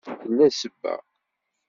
Tella sebba.